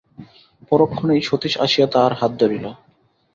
পরক্ষণেই সতীশ আসিয়া তাহার হাত ধরিল।